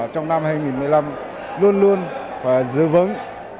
trong năm hai nghìn một mươi năm luôn luôn giữ vững